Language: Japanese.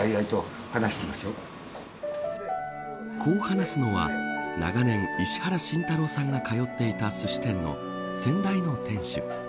こう話すのは、長年石原慎太郎さんが通っていたすし店の先代の店主。